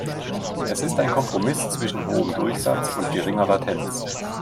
Es ist ein Kompromiss zwischen hohem Durchsatz und geringer Latenz.